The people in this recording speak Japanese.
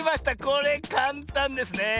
これかんたんですね。